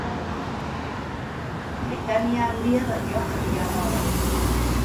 Britania Handia baino handiagoa da.